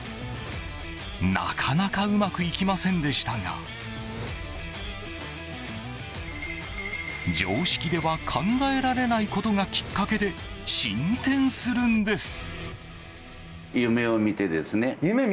なかなかうまくいきませんでしたが常識では考えられないことがきっかけで進展するんです。